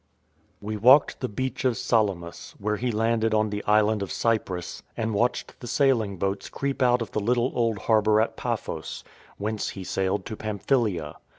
We walked the beach of Salamis, where he landed on the island of Cyprus, and watched the sailing boats creep out of the little old harbour at Paphos, whence he sailed to Pamphylia.